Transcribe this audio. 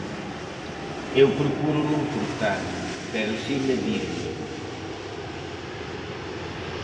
Eu procuro non cortarme, pero si medirme.